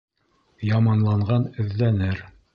Яманланған эҙләнер